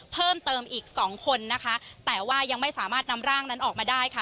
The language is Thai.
เพิ่มเติมอีกสองคนนะคะแต่ว่ายังไม่สามารถนำร่างนั้นออกมาได้ค่ะ